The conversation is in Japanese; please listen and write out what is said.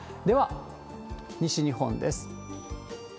では、西日本です。